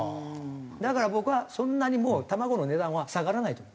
だから僕はそんなにもう卵の値段は下がらないと思います。